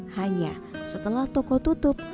hanya setelah toko tutup